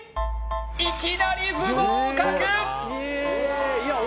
いきなり不合格！